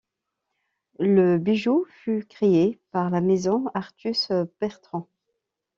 Le bijou fut créé par la Maison Arthus-Bertrand.